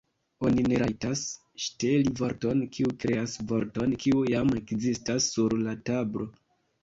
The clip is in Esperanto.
Oni ne rajtas ŝteli vorton kiu kreas vorton kiu jam ekzistas sur la tablo.